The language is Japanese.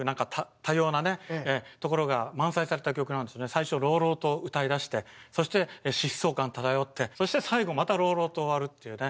最初朗々と歌いだしてそして疾走感漂ってそして最後また朗々と終わるっていうね